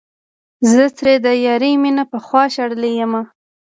زه ترې د يار مينې پخوا شړلے يمه